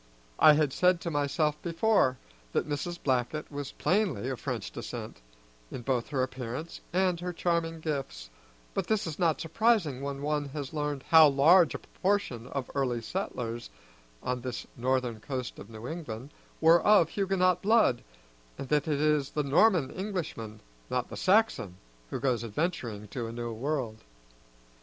I had said to myself before that Mrs. Blackett was plainly of French descent, in both her appearance and her charming gifts, but this is not surprising when one has learned how large a proportion of the early settlers on this northern coast of New England were of Huguenot blood, and that it is the Norman Englishman, not the Saxon, who goes adventuring to a new world.